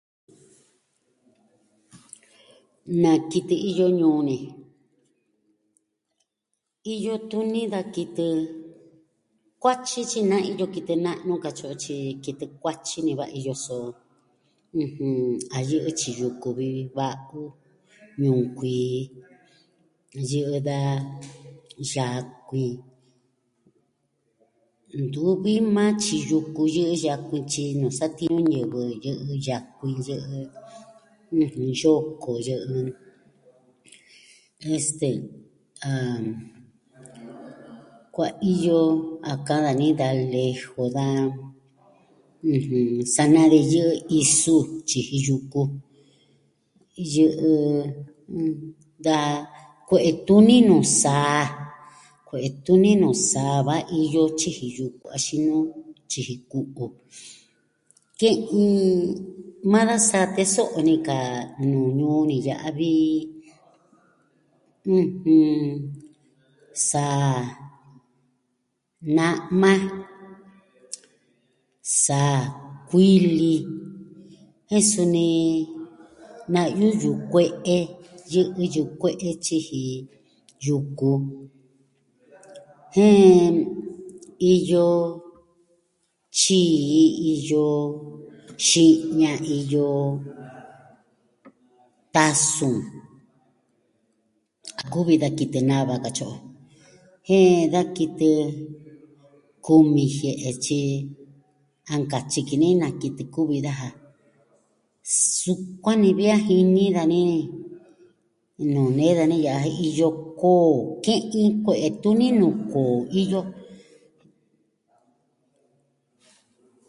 Na kitɨ iyo ñuu ni. Iyo tuni da kitɨ kuatyi tyi na iyo kitɨ na'nu, katyi o, tyi kitɨ kuatyi ni va iyo so, ɨjɨn, a yɨ'ɨ tyiji yuku vi va'u, ñunkuii, yɨ'ɨ, da yakuiin. Ntuvi maa tyiji yuku yɨ'ɨ yakuin tyi nuu satiñu ñivɨ, yɨ'ɨ yakuin, yɨ'ɨ, ɨjɨn, yoko yɨ'ɨ, este, ah, kuaiyo a ka'an dani da lejo, da, ɨjɨn, sanaa de yɨ'ɨ isu, tyiji yuku. Yɨ'ɨ da kue'e tuni nuu saa, kue'e tuni nuu saa va iyo tyiji yuku, axin nuu tyiji ku'u. Ke'in, maa da saa teso'o ni ka nuu ñuu ni ya'a vi, ɨjɨn, saa na'ma, saa kuili, jen suni na'yu yukue'e, yɨ'ɨ yukue'e tyiji yuku. Jen iyo tyii, iyo xi'na, iyo tasu, a kuvi da kitɨ nava katyi o. Jen da kitɨ kumi jie'e, tyi a nkatyi ki ni da kitɨ kuvi daja. Sukuan ni vi a jini dani, nuu nee dani ya'a, jen iyo koo. Ke'in kue'e tuni nuu koo iyo.